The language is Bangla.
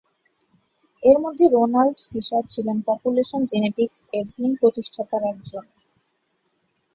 এর মধ্যে রোনাল্ড ফিশার ছিলেন পপুলেশন জেনেটিক্স এর তিন প্রতিষ্ঠাতার একজন।